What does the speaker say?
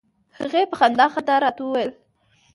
هغې په خندا خندا راته وویل.